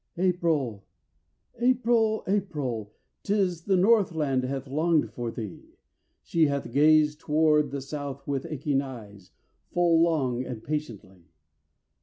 April! April! April! 'Tis the Northland hath longed for thee, She hath gazed toward the South with aching eyes Full long and patiently.